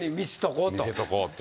見せとこうと。